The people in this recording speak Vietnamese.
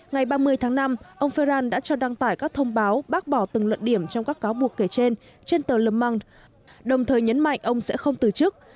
ngày ba mươi tháng năm ông ferrand đã cho đăng tải các thông báo bác bỏ từng lận điểm trong các cáo buộc kể trên trên tờ le monde đồng thời nhấn mạnh ông sẽ không từ chức